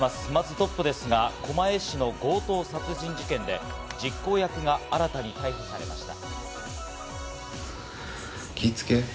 トップですが、狛江市の強盗殺人事件で、実行役が新たに逮捕されました。